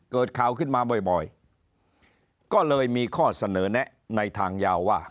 เกิดข่าวขึ้นมาบ่อยก็เลยมีข้อเสนอแนะในทางยาวว่า